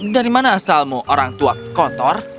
dari mana asalmu orang tua kotor